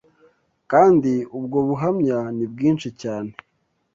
kandi ubwo buhamya ni bwinshi cyane